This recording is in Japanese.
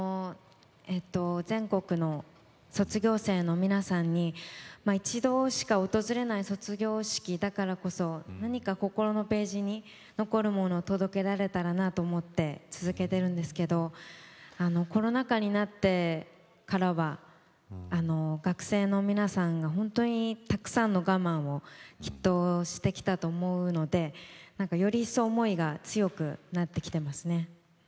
全国の卒業生の皆さんに一度しか訪れない卒業式だからこそ何か心のページに残るものを届けられたらなと思って続けているんですけどコロナ禍になってからは学生の皆さんが本当にたくさんの我慢をきっとしてきたと思うのでより一層思いが強くなってきてますね。